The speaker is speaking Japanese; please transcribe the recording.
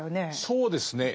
そうですね。